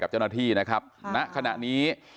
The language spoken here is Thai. เจ้าหน้าที่นะครับณขณะนี้